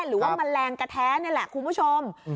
หรือว่ามันแรงกะแท้นี่แหละคุณผู้ชม